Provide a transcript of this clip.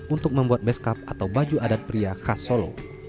untuk membuat beskap atau baju adat pria khas solo